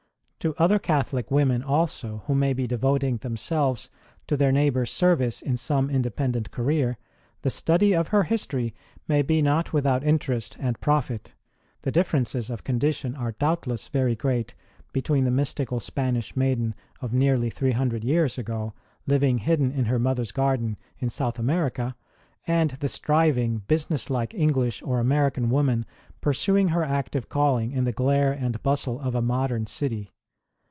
To other Catholic women also, who may be devoting themselves to their neighbours service in some independent career, the study of her history may be not without interest and profit. The differences of condition are doubtless very great between the mystical Spanish maiden of nearly three hundred years ago, living hidden in her mother s garden in South America, and the striving, business like PROLOGUE : BIRTH AND BAPTISM OF ST. ROSE 33 English or American woman pursuing her active calling in the glare and bustle of a modern city.